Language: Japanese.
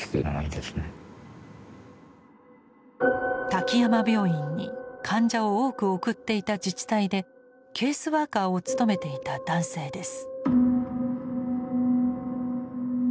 滝山病院に患者を多く送っていた自治体でケースワーカーを務めていた男性です。